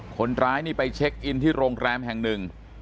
คนร้ายนี่ไปเช็คอินที่โรงแรมแห่งหนึ่ง